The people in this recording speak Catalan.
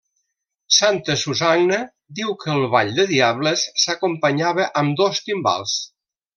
Santasusagna diu que el Ball de Diables s'acompanyava amb dos timbals.